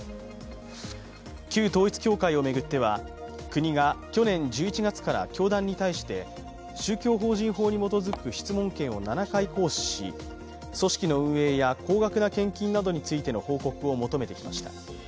旧統一教会を巡っては国が去年１１月から教団に対して宗教法人法に基づく質問権を７回行使し組織の運営や高額な献金などについての報告を求めてきました。